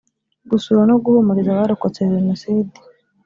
gusura no guhumuriza abarokotse Jenoside